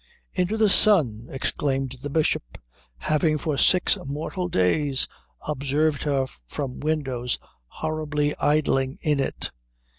"Into the sun!" exclaimed the Bishop, having for six mortal days observed her from windows horribly idling in it.